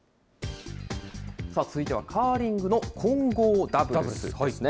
さあ、続いてはカーリングの混合ダブルスですね。